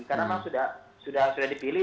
karena memang sudah dipilih